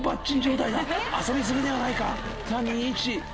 「遊び過ぎではないか？